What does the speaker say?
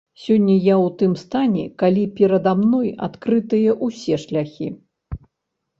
Сёння я ў тым стане, калі перада мной адкрытыя ўсе шляхі.